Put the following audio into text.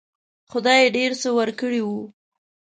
خدای ډېر څه ورکړي وو.